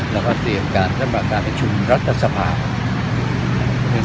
และการท่านบาการประชุมรัฐศภาคม